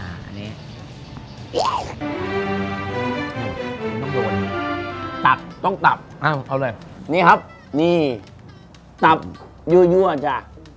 ต้องโยนตับต้องตับเอ้าเอาเลยนี่ครับนี่ตับยั่วจ้ะ